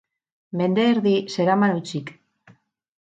Mende erdi zeraman hutsik.